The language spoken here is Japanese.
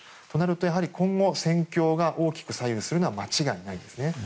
となると今後、戦況が大きく左右するのは間違いないんですね。